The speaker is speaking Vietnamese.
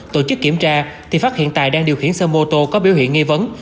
tổ chức kiểm tra thì phát hiện tài đang điều khiển xe mô tô có biểu hiện nghi vấn